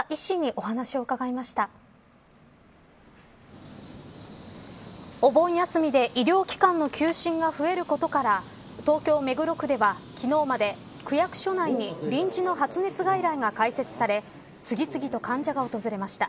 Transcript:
お盆休みで医療機関の休診が増えることから東京、目黒区では昨日まで区役所内に臨時の発熱外来が開設され次々と患者が訪れました。